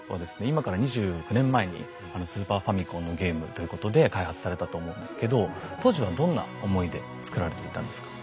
今から２９年前にスーパーファミコンのゲームということで開発されたと思うんですけど当時はどんな思いで作られていたんですか？